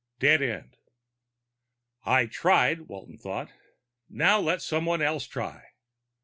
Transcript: Dead end. I tried, Walton thought. _Now let someone else try.